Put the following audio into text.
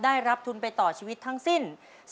ได้รับทุนไปต่อชีวิตทั้งสิ้น